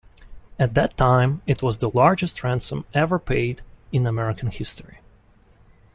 At that time it was the largest ransom ever paid in American history.